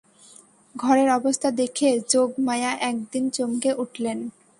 ঘরের অবস্থা দেখে যোগমায়া একদিন চমকে উঠলেন।